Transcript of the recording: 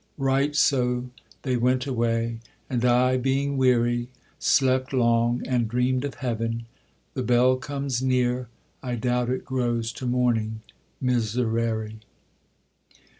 Right so they went away, and I, being weary, Slept long and dream'd of Heaven: the bell comes near, I doubt it grows to morning. Miserere!